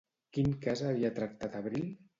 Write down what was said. Quin cas havia tractat Abril?